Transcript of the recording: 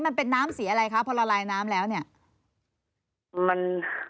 มันเป็นน้ำสีอะไรคะพอละลายน้ำแล้วเนี่ยมัน